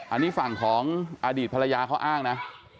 อันนี้ฝั่งของอดีตภรรยาเขาอ้างนะ